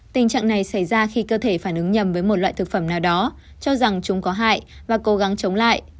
tình trạng này xảy ra khi cơ thể phản ứng nhầm với một loại thực phẩm nào đó cho rằng chúng có hại và cố gắng chống lại